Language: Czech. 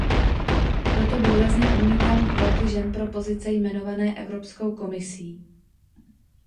Proto důrazně odmítám kvóty žen pro pozice jmenované Evropskou komisí.